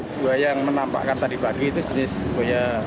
buaya yang menampakkan tadi pagi itu jenis buaya